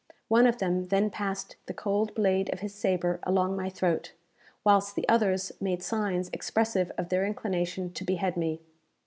One of them then passed the cold blade of his sabre along my throat, whilst the others made signs expressive of their inclination to behead me.